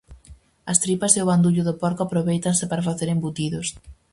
As tripas e o bandullo do porco aprovéitanse para facer embutidos.